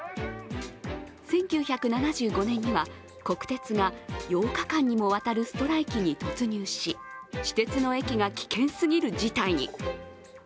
１９７５年には国鉄が８日間にもわたるストライキに突入し、私鉄の駅が危険すぎる事態に。